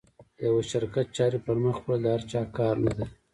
د یوه شرکت چارې پر مخ وړل د هر چا کار نه ده.